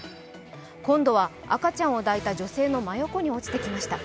今度は、赤ちゃんを抱いた女性の真横に落ちてきました。